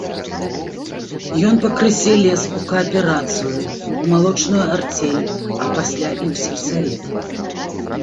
Ён пакрысе лез у кааперацыю, у малочную арцель, а пасля і ў сельсавет.